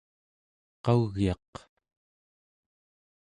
qau͡gyaq